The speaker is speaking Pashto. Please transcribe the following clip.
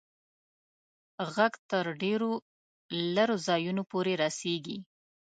ږغ تر ډېرو لیري ځایونو پوري رسیږي.